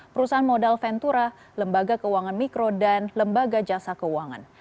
perusahaan modal ventura lembaga keuangan mikro dan lembaga jasa keuangan